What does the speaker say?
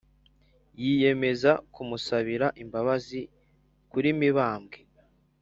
yiyemeza kumusabira imbabazi kuri mibambwe.